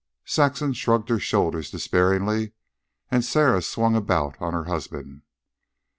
Saxon shrugged her shoulders despairingly, and Sarah swung about on her husband.